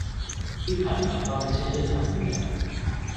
ที่ผ่านมาก็ไม่ใช่เรื่องหลักอยู่แล้ว